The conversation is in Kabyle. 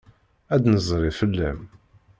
Ad d-nezri fell-am.